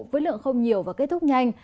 với lượng không nhiều và kết thúc nhanh